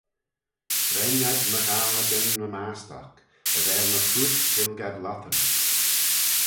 Rheynn ad my gharmadyn ny mast'oc: as er my chooat hilg ad lottyn.